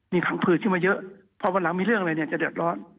มีขังผืดขึ้นมาเยอะพอวันหลังมีเรื่องอะไรเนี่ยจะเดือดร้อน